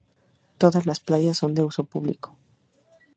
Todas las playas son de uso público.